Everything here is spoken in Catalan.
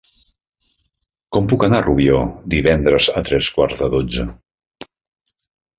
Com puc anar a Rubió divendres a tres quarts de dotze?